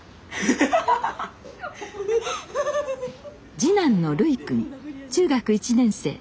次男の琉泉くん中学１年生。